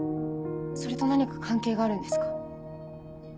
それと何か関係があるんですか？